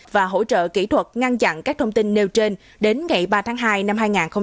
và hỗ trợ kỹ thuật ngăn chặn các thông tin nêu trên đến ngày ba tháng hai năm hai nghìn hai mươi